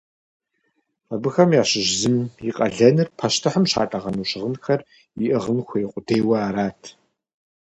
Абыхэм ящыщ зым и къалэныр пащтыхьым щатӀэгъэну щыгъынхэр иӀыгъын хуей къудейуэ арат.